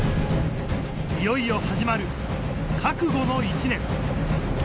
いよいよ始まる覚悟の１年。